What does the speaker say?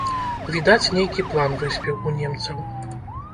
Відаць, нейкі план выспеў у немцаў.